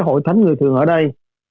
hội thánh người thường ở đây